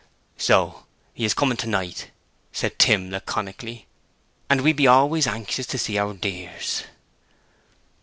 "So he's coming to night," said Tim, laconically. "And we be always anxious to see our dears."